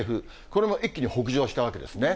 これも一気に北上したわけですね。